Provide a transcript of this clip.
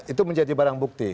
itu menjadi barang bukti